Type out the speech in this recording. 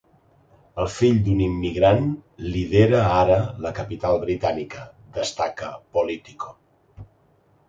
El fill d’un immigrant lidera ara la capital britànica’, destaca ‘Politico’.